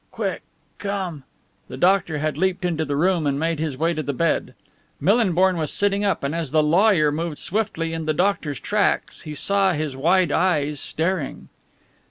"Quick come...." The doctor had leapt into the room and made his way to the bed. Millinborn was sitting up, and as the lawyer moved swiftly in the doctor's tracks he saw his wide eyes staring.